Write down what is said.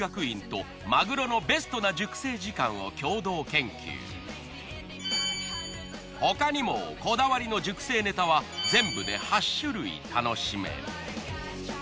くら寿司では他にもこだわりの熟成ネタは全部で８種類楽しめる。